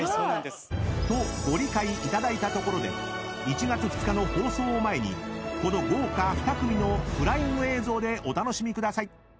［とご理解いただいたところで１月２日の放送を前にこの豪華２組のフライング映像でお楽しみください］